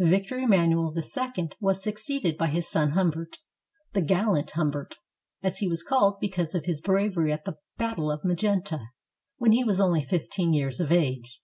[Victor Emmanuel II was succeeded by his son Humbert, the "gallant Humbert," as he was called because of his bravery at the battle of Magenta when he was only fifteen years of age.